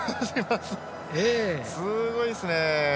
すごいですね。